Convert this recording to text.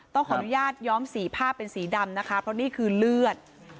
ต้องขออนุญาตย้อมสีภาพเป็นสีดำนะคะเพราะนี่คือเลือด